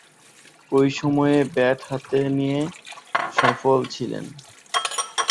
ঐ সময়ে ব্যাট হাতে নিয়ে সফল ছিলেন।